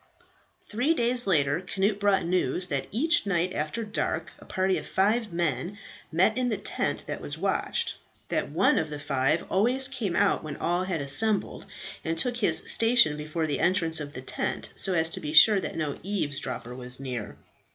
Three days later Cnut brought news that each night after dark a party of five men met in the tent that was watched; that one of the five always came out when all had assembled, and took his station before the entrance of the tent, so as to be sure that no eavesdropper was near.